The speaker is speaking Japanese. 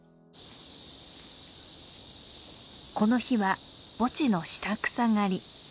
この日は墓地の下草刈り。